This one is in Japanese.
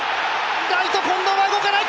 ライト・近藤は動かない。